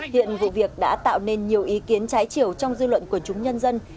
hiện vụ việc đã tạo nên nhiều ý kiến trái chiều trong dư luận của chúng nhân dân